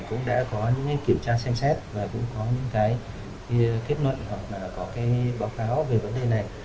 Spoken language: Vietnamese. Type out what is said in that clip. cũng đã có những kiểm tra xem xét và cũng có những cái kết luận hoặc là có cái báo cáo về vấn đề này